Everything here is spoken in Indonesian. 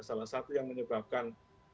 salah satu yang menyebabkan